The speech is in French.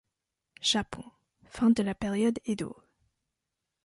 Japon, fin de la période Edo.